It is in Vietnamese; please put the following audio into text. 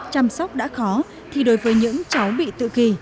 chăm sóc đã khó thì đối với những cháu bị tự kỳ